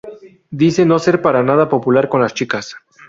Dice no ser para nada popular con las chicas.